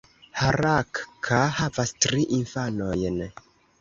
Harakka havas tri infanojn.